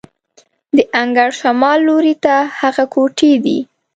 د انګړ شمال لوري ته هغه کوټې دي.